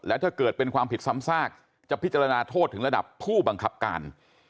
ถ้าเกิดเป็นความผิดซ้ำซากจะพิจารณาโทษถึงระดับผู้บังคับการ